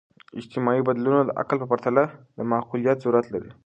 اجتماعي بدلونونه د عقل په پرتله د معقولیت ضرورت لري.